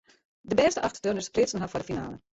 De bêste acht turners pleatsten har foar de finale.